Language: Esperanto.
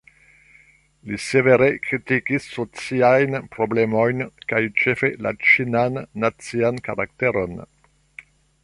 Li severe kritikis sociajn problemojn kaj ĉefe la "ĉinan nacian karakteron".